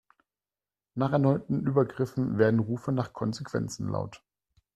Nach erneuten Übergriffen werden Rufe nach Konsequenzen laut.